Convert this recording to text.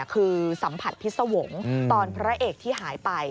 คือสัมผัสพิษวงศ์ตอนพระเอกที่หายไป